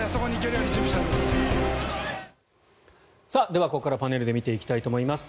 ではここからパネルで見ていきたいと思います。